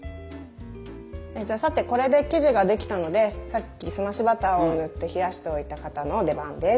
さてこれで生地ができたのでさっき澄ましバターを塗って冷やしておいた型の出番です。